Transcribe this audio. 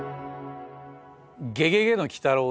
「ゲゲゲの鬼太郎」です。